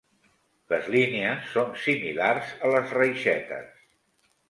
Les línies són similars a les reixetes.